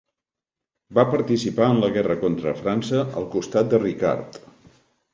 Va participar en la guerra contra França al costat de Ricard.